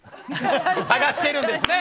探しているんですね！